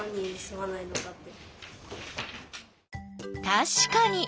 たしかに！